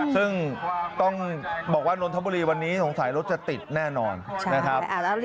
ซึ่งต้องบอกว่านนทบุรีวันนี้สงสัยรถจะติดแน่นอนนะครับ